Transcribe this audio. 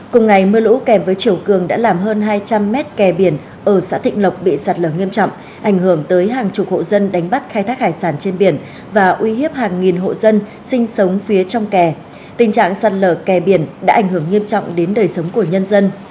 cùng ngày mưa lũ kèm với chiều cường đã làm hơn hai trăm linh mét kè biển ở xã thịnh lộc bị sạt lở nghiêm trọng ảnh hưởng tới hàng chục hộ dân đánh bắt khai thác hải sản trên biển và uy hiếp hàng nghìn hộ dân sinh sống phía trong kè tình trạng sạt lở kè biển đã ảnh hưởng nghiêm trọng đến đời sống của nhân dân